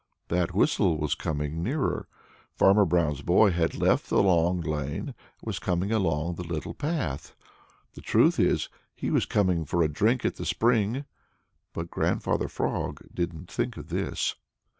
That whistle was coming nearer! Farmer Brown's boy had left the Long Lane and was coming along the little path. The truth is, he was coming for a drink at the spring, but Grandfather Frog didn't think of this.